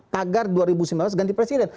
tagar dua ribu sembilan belas ganti presiden